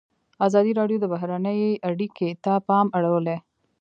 ازادي راډیو د بهرنۍ اړیکې ته پام اړولی.